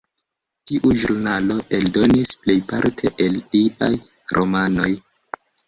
Tiu ĵurnalo eldonis plejparte el liaj romanoj.